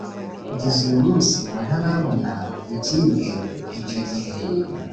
kugeza uyu munsi ngo ntarabona ibyibwe icyo gihe.